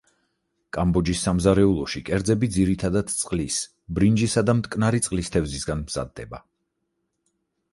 კამბოჯის სამზარეულოში კერძები ძირითადად წყლის, ბრინჯისა და მტკნარი წყლის თევზისგან მზადდება.